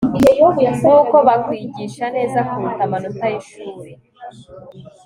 nkuko bakwigisha neza kuruta amanota yishuri